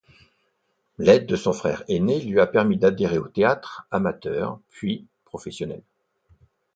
L'aide de son frère aîné lui a permis d'adhérer au théâtre amateur puis professionnel.